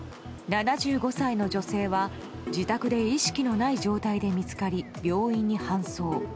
７５歳の女性は自宅で意識のない状態で見つかり病院に搬送。